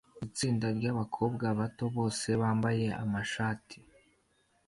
Itsinda ryabakobwa bato bose bambaye amashati